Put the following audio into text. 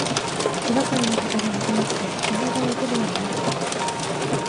気がかりなことがなくなって希望がもてるようになること。